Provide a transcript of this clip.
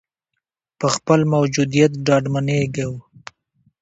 په خپل موجودیت ډاډمنېږو.